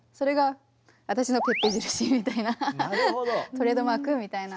トレードマークみたいな。